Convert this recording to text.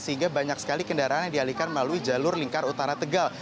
sehingga banyak sekali kendaraan yang dialihkan melalui jalur lingkar utara tegal